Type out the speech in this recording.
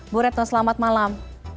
bu retno selamat malam